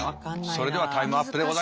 それではタイムアップでございます。